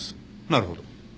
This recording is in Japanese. なるほど。